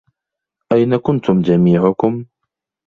أين كنتم جميعكم؟